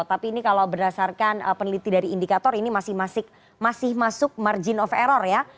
tapi ini kalau berdasarkan peneliti dari indikator ini masih masuk margin of error ya